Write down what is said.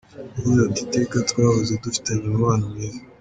Yagize ati “Iteka twahoze dufitanye umubano mwiza.